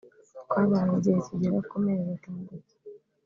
“ Twabanye igihe kigera ku mezi atandatu